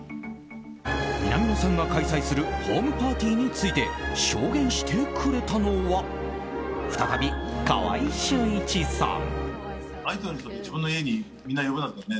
南野さんが開催するホームパーティーについて証言してくれたのは再び川合俊一さん。